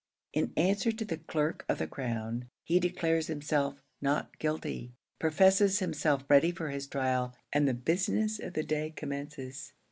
In answer to the clerk of the crown, he declares himself not guilty, professes himself ready for his trial, and the business of the day commences.